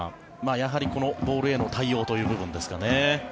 やはり、このボールへの対応という部分ですかね。